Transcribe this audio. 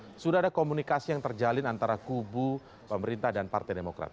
apakah sudah ada komunikasi yang terjalin antara kubu pemerintah dan partai demokrat